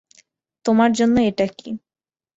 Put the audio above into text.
তোমার জন্য এটা কী?